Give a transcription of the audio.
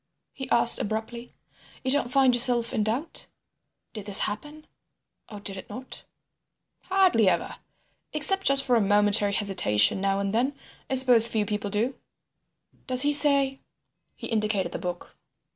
he asked abruptly. "You don't find yourself in doubt; did this happen or did it not?" "Hardly ever. Except just for a momentary hesitation now and then. I suppose few people do." "Does he say—?" He indicated the book.